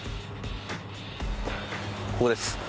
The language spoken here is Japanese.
ここです。